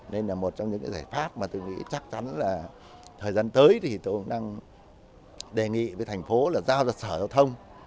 nên là một trong những giải pháp mà tôi nghĩ chắc chắn là thời gian tới thì tôi cũng đang đề nghị với thành phố là giao cho sở giao thông